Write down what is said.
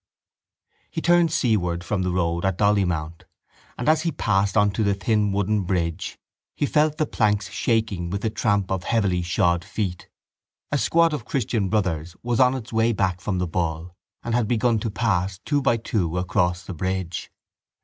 He turned seaward from the road at Dollymount and as he passed on to the thin wooden bridge he felt the planks shaking with the tramp of heavily shod feet. A squad of Christian Brothers was on its way back from the Bull and had begun to pass, two by two, across the bridge.